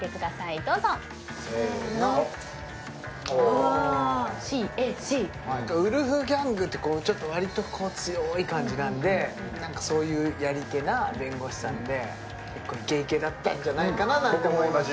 どうぞせーのうわＣＡＣウルフギャングってこうちょっと割と強い感じなんで何かそういうやり手な弁護士さんで結構イケイケだったんじゃないかななんて思いました